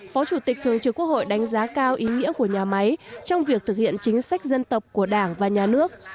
phó chủ tịch thường trực quốc hội đánh giá cao ý nghĩa của nhà máy trong việc thực hiện chính sách dân tộc của đảng và nhà nước